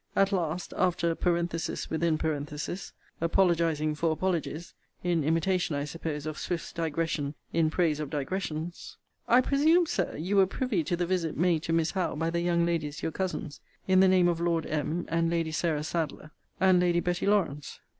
At last, after parenthesis within parenthesis, apologizing for apologies, in imitation, I suppose, of Swift's digression in praise of digressions I presume I presume, Sir, you were privy to the visit made to Miss Howe by the young Ladies your cousins, in the name of Lord M., and Lady Sarah Sadleir, and Lady Betty Lawrance.